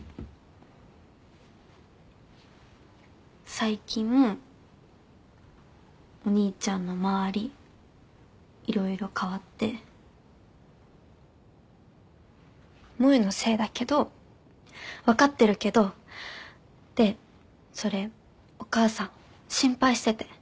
最近お兄ちゃんの周り色々変わって萌のせいだけど分かってるけどでそれお母さん心配してて。